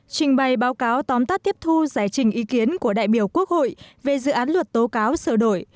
trình bày báo cáo tóm tắt tiếp thu giải trình ý kiến của đại biểu quốc hội về dự án luật tố cáo sửa đổi